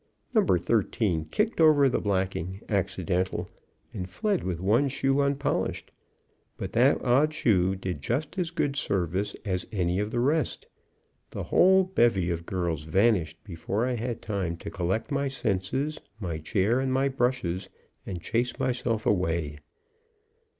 Number thirteen kicked over the blacking accidental, and fled with one shoe unpolished; but that odd shoe did just as good service as any of the rest. The whole bevy of girls vanished before I had time to collect my senses, my chair, and my brushes, and chase myself away.